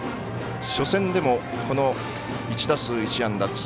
初戦でも１打数１安打。